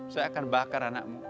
saya akan bakar anakmu